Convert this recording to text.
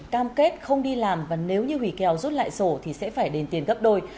cam kết không đi làm và nếu như hủy kèo rút lại sổ thì sẽ phải đền tiền gấp đôi